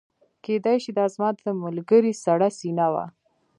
کیدای شي دا زما د ملګري سړه سینه وه